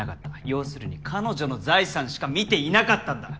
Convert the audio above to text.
要するに彼女の財産しか見ていなかったんだ！